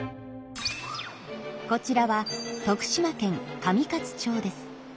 こちらは徳島県上勝町です。